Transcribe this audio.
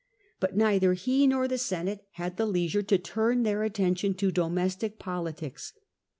But neither he nor the Senate had the leisure to turn their attention to domestic politics.